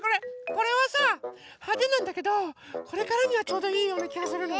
これはさはでなんだけどこれからにはちょうどいいようなきがするのね。